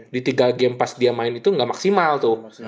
di tiga game pas dia main itu nggak maksimal tuh